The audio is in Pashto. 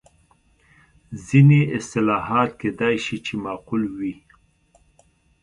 ځینې اصلاحات کېدای شي چې معقول وي.